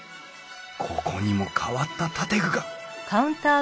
ここにも変わった建具が！